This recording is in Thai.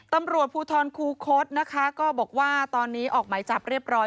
ตำรวจภูทรคูคศนะคะก็บอกว่าตอนนี้ออกหมายจับเรียบร้อย